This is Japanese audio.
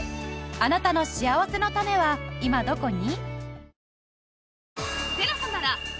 あなたのしあわせのたねは今どこに？